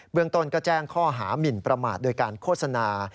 เมืองต้นก็แจ้งข้อหามินประมาทโดยการโฆษณา